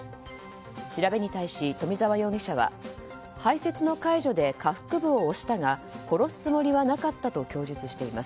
調べに対し冨澤容疑者は排泄の介助で下腹部を押したが殺すつもりはなかったと供述しています。